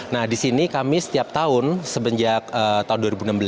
nah di sini kami setiap tahun semenjak tahun dua ribu enam belas